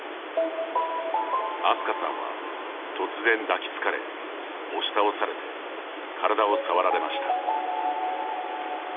あすかさんは、突然抱きつかれ押し倒されて、体を触られました。